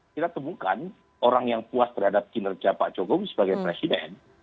kita temukan orang yang puas terhadap kinerja pak jokowi sebagai presiden